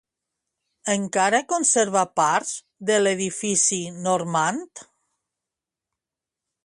Encara conserva parts de l'edifici normand?